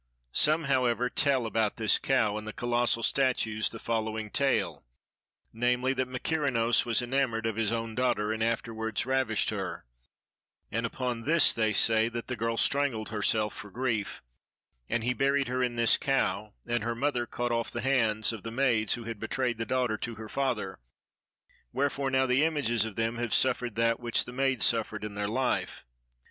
Some however tell about this cow and the colossal statues the following tale, namely that Mykerinos was enamoured of his own daughter and afterwards ravished her; and upon this they say that the girl strangled herself for grief, and he buried her in this cow; and her mother cut off the hands of the maids who had betrayed the daughter to her father; wherefore now the images of them have suffered that which the maids suffered in their life.